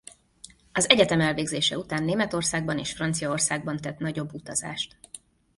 Az egyetem elvégzése után Németországban és Franciaországban tett nagyobb utazást.